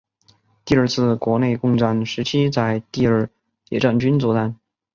第二次国共内战时期在第二野战军作战。